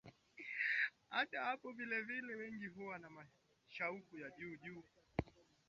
Hata hapo vilevile wengi huwa na shauku ya juu juu